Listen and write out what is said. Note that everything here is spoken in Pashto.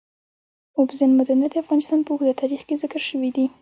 اوبزین معدنونه د افغانستان په اوږده تاریخ کې ذکر شوی دی.